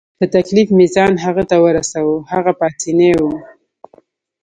په تکلیف مې ځان هغه ته ورساوه، هغه پاسیني وو.